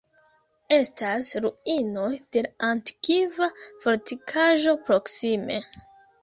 Estas ruinoj de la antikva fortikaĵo proksime.